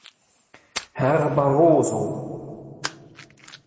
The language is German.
Herr Barroso!